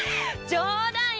冗談よ！